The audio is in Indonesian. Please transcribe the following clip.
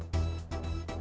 ya terima kasih